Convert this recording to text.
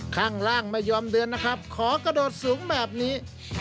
ข้างล่างไม่ยอมเดินนะครับขอกระโดดสูงแบบนี้